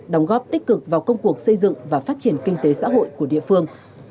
đóng góp tích cực vào công cuộc xây dựng và phát triển kinh tế xã hội của địa phương